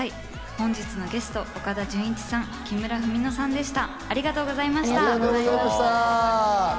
本日のゲスト、岡田准一さん、木村文乃さんでした。